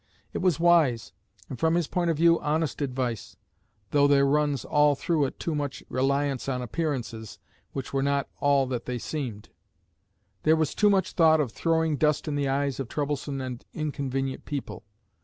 It was wise, and from his point of view honest advice, though there runs all through it too much reliance on appearances which were not all that they seemed; there was too much thought of throwing dust in the eyes of troublesome and inconvenient people.